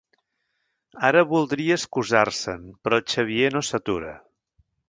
Ara voldria excusar-se'n però el Xavier no s'atura.